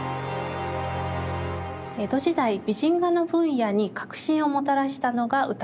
江戸時代美人画の分野に革新をもたらしたのが歌麿です。